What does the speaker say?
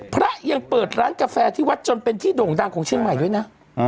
พระยังเปิดร้านกาแฟที่วัดจนเป็นที่โด่งดังของเชียงใหม่ด้วยนะ